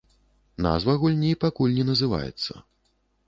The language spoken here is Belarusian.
Назва гульні пакуль не называецца.